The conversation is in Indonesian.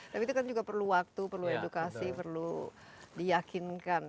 tapi itu kan juga perlu waktu perlu edukasi perlu diyakinkan